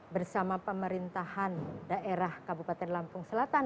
bersama pemerintahan daerah kabupaten lampung selatan